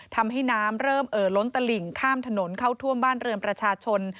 ทำให้น้ำเริ่มเอ่อล้นตลิ่งข้ามถนนเข้าท่วมบ้านเรือนประชาชน